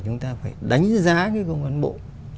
chúng ta phải đánh giá cái khâu cán bộ